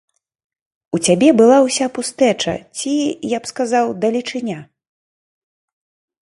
У цябе была ўся пустэча, ці, я б сказаў, далечыня.